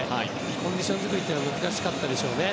コンディション作りっていうのは難しかったでしょうね。